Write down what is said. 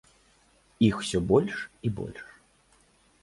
Іх усё больш і больш.